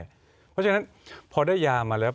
เพราะฉะนั้นพอได้ยามาแล้ว